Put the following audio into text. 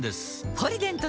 「ポリデント」